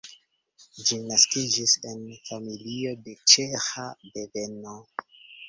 Ĝi naskiĝis el familio de ĉeĥa deveno.